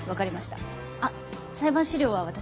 あっ裁判資料は私が。